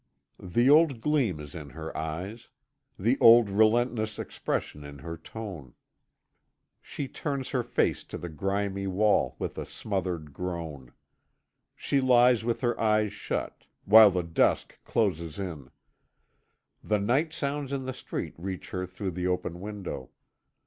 The old gleam is in her eyes. The old relentless expression in her tone. She turns her face to the grimy wall, with a smothered groan. She lies with her eyes shut, while the dusk closes in. The night sounds in the street reach her through the open window.